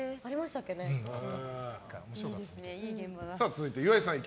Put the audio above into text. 続いて、岩井さん。